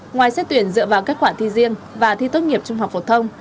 ngoài xét tuyển dựa vào kết quả thi riêng và thi tốt nghiệp trung học phổ thông